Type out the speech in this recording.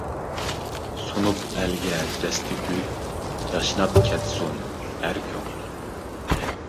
سۇنۇپ ئەلگە دەستە گۈل، ياشناپ كەتسۇن ھەر كۆڭۈل!